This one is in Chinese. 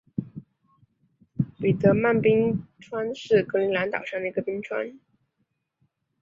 彼得曼冰川是格陵兰岛上的一个冰川。